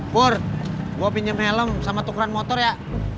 pur gue pinjam helm sama tukeran motor ya